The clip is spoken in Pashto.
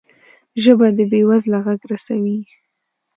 ژبه د بې وزله غږ رسوي